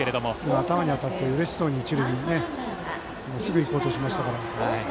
頭に当たってうれしそうに一塁にすぐいこうとしましたから。